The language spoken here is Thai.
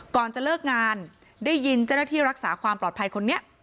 ก่อนจะเลิกงานได้ยินเจ้าหน้าที่รักษาความปลอดภัยคนนี้